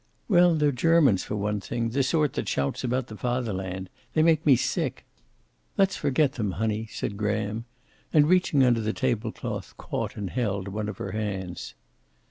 "Well, they're Germans, for one thing, the sort that shouts about the Fatherland. They make me sick." "Let's forget them, honey," said Graham, and reaching under the table cloth, caught and held one of her hands.